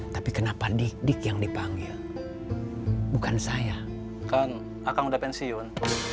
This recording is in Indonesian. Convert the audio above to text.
tapi kenapa dik yang dipanggil bukan saya akan udah pensiun